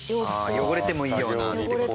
汚れてもいいような。